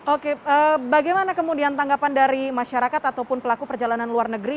oke bagaimana kemudian tanggapan dari masyarakat ataupun pelaku perjalanan luar negeri